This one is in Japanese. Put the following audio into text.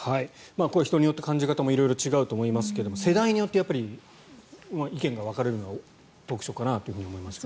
これは人によって感じ方も色々違うと思いますが世代によって意見が分かれるのが特徴かなと思います。